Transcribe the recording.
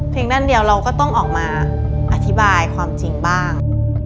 ด้านเดียวเราก็ต้องออกมาอธิบายความจริงบ้าง